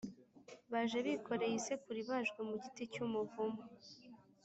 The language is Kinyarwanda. baje bikoreye isekuru ibajwe mu giti cy’umuvumu